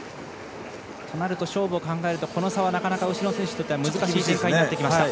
となると、勝負を考えるとこの差はなかなか後ろの選手にとっては厳しくなってきました。